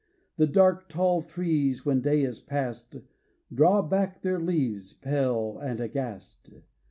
The dark tall trees, When day is past, Draw back their leaves, Pale and aghast.